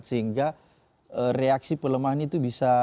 sehingga reaksi pelemahan itu bisa